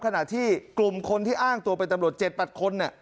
ขณะที่กลุ่มคนที่อ้างตัวเป็นตำรวจ๗๘คน